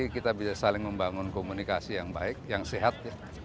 kita bisa saling membangun komunikasi yang baik yang sehat